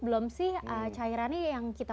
belum sih cairannya yang kita